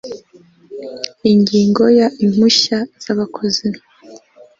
Ingingo ya Impushya z abakozi